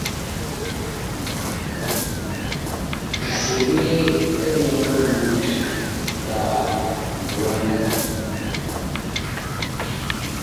A seɓe elɔŋgɔ mut kaa liwanda.